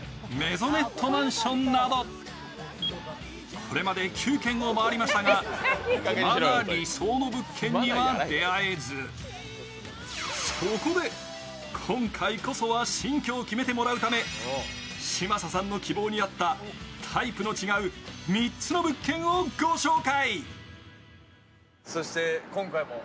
これまで９軒を回りましたが、いまだ理想の物件には出会えずそこで今回こそは新居を決めてもらうため嶋佐さんの希望に合ったタイプの違う３つの物件をご紹介。